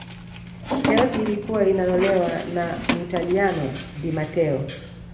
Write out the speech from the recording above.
chelsea ilikuwa inanolewa na Muitaliano di mateo